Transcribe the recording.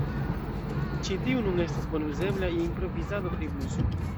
Ĉi tiu nun estas bone uzebla je improvizado pri bluso.